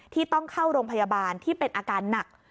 ที่ต้องเข้าโรงพยาบาลที่เป็นอาการหนัก